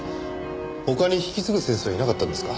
他に引き継ぐ先生はいなかったんですか？